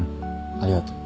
ありがとう。